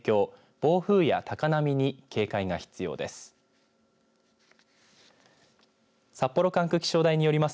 暴風や高波に警戒が必要です。